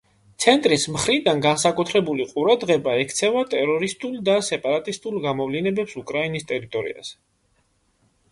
ცენტრის მხრიდან განსაკუთრებული ყურადღება ექცევა ტერორისტულ და სეპარატისტულ გამოვლინებებს უკრაინის ტერიტორიაზე.